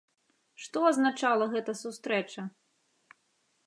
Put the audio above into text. Што азначала гэта сустрэча?